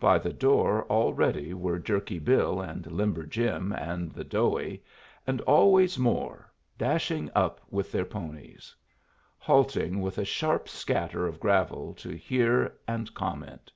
By the door already were Jerky Bill and Limber Jim and the Doughie and always more, dashing up with their ponies; halting with a sharp scatter of gravel to hear and comment.